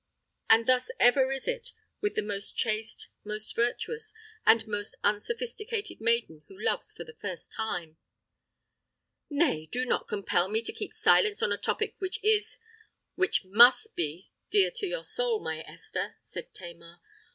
And thus ever is it with the most chaste, most virtuous, and most unsophisticated maiden, who loves for the first time! "Nay—do not compel me to keep silence on a topic which is—which must be dear to your soul, my Esther," said Tamar.